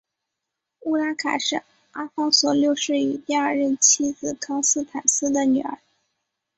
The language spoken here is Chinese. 乌拉卡是阿方索六世与第二任妻子康斯坦丝的女儿。